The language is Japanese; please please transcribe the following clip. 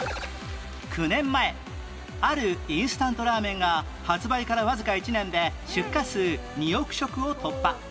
９年前あるインスタントラーメンが発売からわずか１年で出荷数２億食を突破